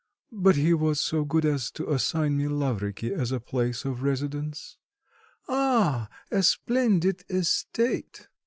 But he was so good as to assign me Lavriky as a place of residence." "Ah! a splendid estate!"